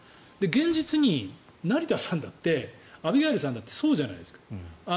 現実に成田さんだってアビガイルさんだってそうじゃないですか。